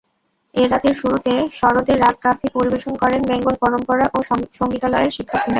এ রাতের শুরুতে সরোদে রাগ কাফি পরিবেশন করেন বেঙ্গল পরম্পরা সংগীতালয়ের শিক্ষার্থীরা।